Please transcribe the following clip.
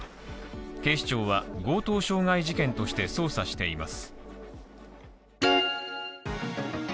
警視庁は強盗傷害事件として捜査しています。